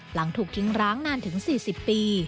หลังถูกทิ้งร้างนานถึง๔๐ปี